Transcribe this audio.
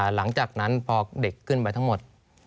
หลังจากนั้นพอเด็กขึ้นไปทั้งหมด